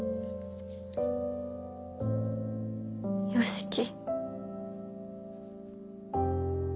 良樹。